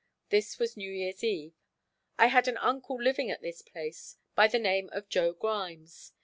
This was New Year's eve. I had an uncle living at this place by the name of Joe Grimes.